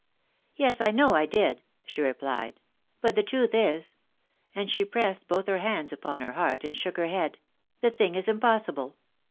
" Yes, I know I did," she replied, " but the truth is," .... and she pressed both her hands upon her heart, and shook her bead. ... "the thing is impossible